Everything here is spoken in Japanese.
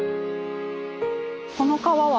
この川は。